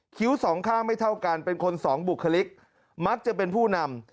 สองข้างไม่เท่ากันเป็นคนสองบุคลิกมักจะเป็นผู้นำ